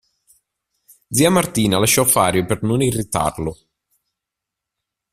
Zia Martina lasciò fare per non irritarlo.